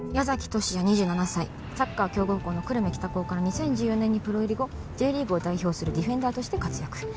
十志也２７歳サッカー強豪校の久留米北高から２０１４年にプロ入り後Ｊリーグを代表するディフェンダーとして活躍